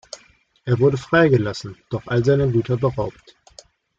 Er wurde freigelassen, doch all seiner Güter beraubt.